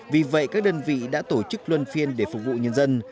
vì vậy các đơn vị đã tổ chức luân phiên để phục vụ nhân dân